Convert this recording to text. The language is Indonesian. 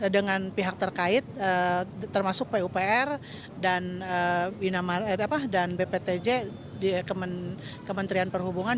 dengan pihak terkait termasuk pupr dan bptj di kementerian perhubungan